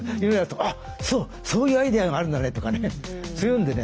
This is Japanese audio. あっそうそういうアイデアがあるんだねとかいうんでね